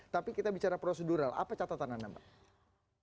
tapi kita bicara prosedural apa catatan anda mbak